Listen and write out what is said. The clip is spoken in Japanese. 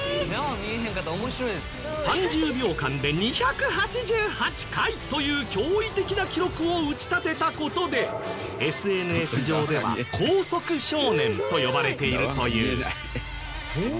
３０秒間で２８８回という驚異的な記録を打ち立てた事でＳＮＳ上では「光速少年」と呼ばれているという。